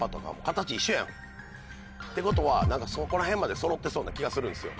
ってことはそこらへんまでそろってそうな気がするんですよ。